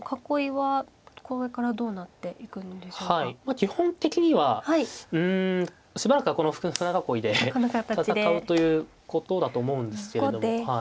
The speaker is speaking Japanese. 基本的にはうんしばらくはこの舟囲いで戦うということだと思うんですけれども。